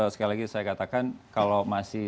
sekali lagi saya katakan kalau masih